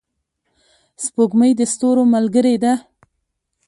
سپوږمۍ د ستورو ملګرې ده.